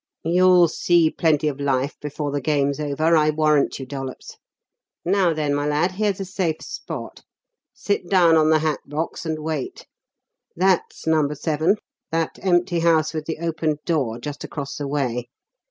"You'll see plenty of life before the game's over, I warrant you, Dollops. Now then, my lad, here's a safe spot. Sit down on the hat box and wait. That's No. 7, that empty house with the open door, just across the way.